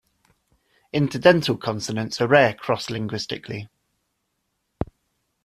Interdental consonants are rare cross-linguistically.